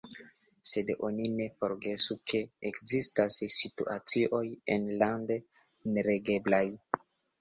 Sed oni ne forgesu, ke ekzistas situacioj enlande neregeblaj.